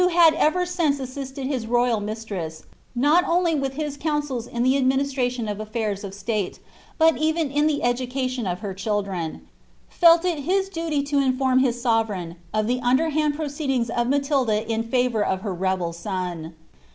■ad wlti> bad ever since usisled his royal mistress, not only with Ills 1 cootisvls in the aclruiuistmliou of affiiirs of sUle, bul even iu the ctluca. T ban of her children, felt il his duty to inrorm his Boveteijn of the under haad proceeding o( MatdJa in favour of her rebel son.'